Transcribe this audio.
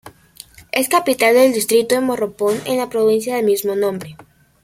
Es capital del distrito de Morropón en la provincia del mismo nombre.